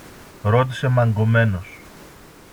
ρώτησε μαγκωμένος.